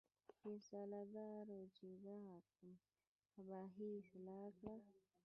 فیصله راوړه چې دغه قباحت اصلاح کړم.